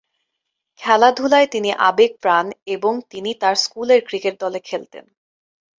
খেলাধুলায় তিনি আবেগ প্রাণ এবং তিনি তার স্কুল এর ক্রিকেট দলে খেলতেন।